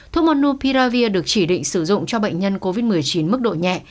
thuốc monopiravir được chỉ định sử dụng cho bệnh nhân covid một mươi chín mức độ nhẹ